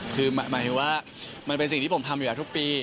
คือหมายถึงว่ามันเป็นสิ่งที่ผมทำอยู่แล้วทุกปี